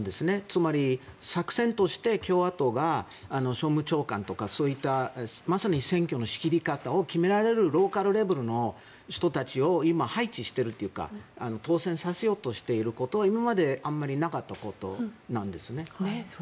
つまり、作戦として共和党が州務長官とかまさに選挙のルールを決められるローカルレベルの人たちを今、配置しているというか当選させようとしていることは今まであまりなかったことなんですね。